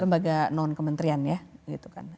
lembaga non kementerian ya gitu kan